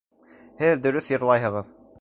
Һеҙ дөрөҫ йырлайһығыҙ